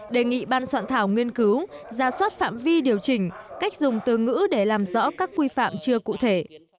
đề nghị ban soạn thảo nghiên cứu ra soát phạm vi điều chỉnh cách dùng từ ngữ để làm rõ các quy phạm chưa cụ thể